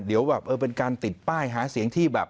เดี๋ยวแบบเออเป็นการติดป้ายหาเสียงที่แบบ